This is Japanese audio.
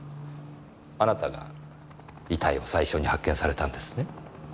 あなたが遺体を最初に発見されたんですね？